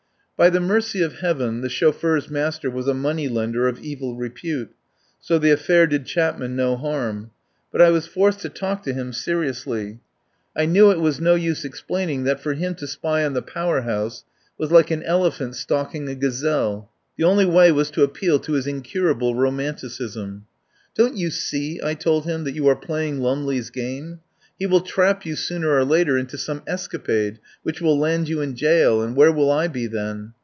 By the mercy of Heaven, the chauffeur's master was a money lender of evil repute, so the affair did Chapman no harm. But I was forced to talk to him seriously. I knew it was 121 THE POWER HOUSE no use explaining that for him to spy on the Power House was like an elephant stalking a gazelle. The only way was to appeal to his incurable romanticism. "Don't you see," I told him, "that you are playing Lumley's game? He will trap you sooner or later into some escapade which will land you in jail, and where will I be then?